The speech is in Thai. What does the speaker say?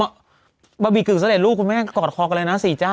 โอ้มาบีกึกเสด็จลูกคุณแม่กอดคอกเลยนะสี่เจ้า